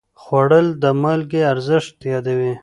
خوړل د مالګې ارزښت یادوي